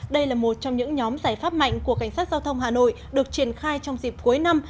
đây là một trong những nhóm giải pháp mạnh của cảnh sát giao thông hà nội được triển khai trong dịp cuối năm